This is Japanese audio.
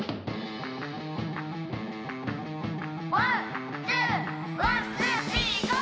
「ワンツーワンツースリーＧＯ！」